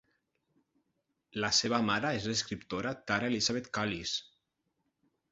La seva mare és l'escriptora Tara Elizabeth Cullis.